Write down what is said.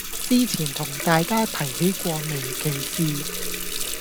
之前同大家提起過微歧視